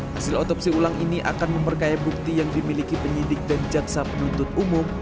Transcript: hasil otopsi ulang ini akan memperkaya bukti yang dimiliki penyidik dan jaksa penuntut umum